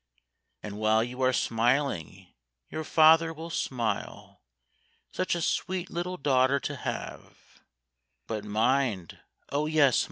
And while you are smiling, your father will smile Such a sweet little daughter to have: But mind, O yes!